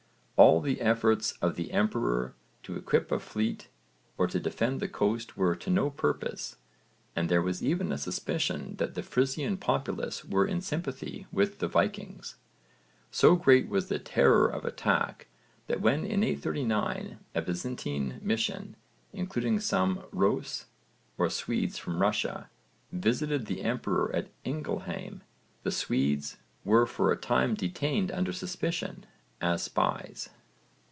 All the efforts of the emperor to equip a fleet or to defend the coast were to no purpose, and there was even a suspicion that the Frisian populace were in sympathy with the Vikings. So great was the terror of attack that when in 839 a Byzantine mission, including some Rhôs or Swedes from Russia, visited the emperor at Ingelheim, the Swedes were for a time detained under suspicion, as spies.